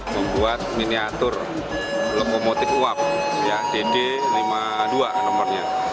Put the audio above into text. membuat miniatur lokomotif uap dd lima puluh dua nomornya